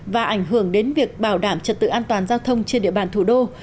và ảnh hưởng đến việc bảo đảm trật tự an toàn giao thông trên địa bàn thủ đô